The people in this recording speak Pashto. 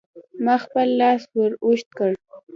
ما خپل لاس ور اوږد کړ.